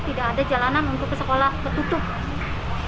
tidak ada jalanan untuk ke sekolah ketutup